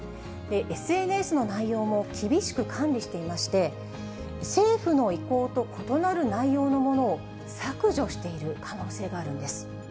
ＳＮＳの内容も厳しく管理していまして、政府の意向と異なる内容のものを削除している可能性があるんです。